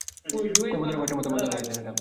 কবুতরের বাসার মতো মাথাওয়ালা ছেলেটা।